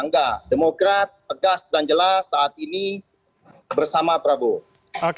enggak demokrat tegas dan jelas saat ini bersama prabowo